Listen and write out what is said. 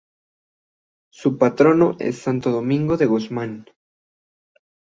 Su Patrono es Santo Domingo de Guzmán.